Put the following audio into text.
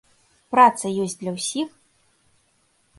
Праца ёсць для ўсіх?